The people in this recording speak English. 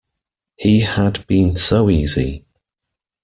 He had been so easy.